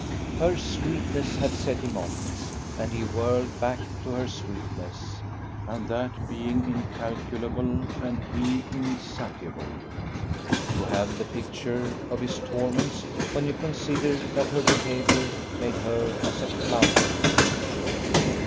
Her sweetness had set him off, and he whirled back to her sweetness: and that being incalculable and he insatiable, you have the picture of his torments when you consider that her behaviour made her as a cloud to him.